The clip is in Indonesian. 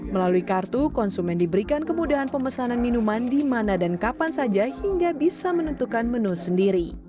melalui kartu konsumen diberikan kemudahan pemesanan minuman di mana dan kapan saja hingga bisa menentukan menu sendiri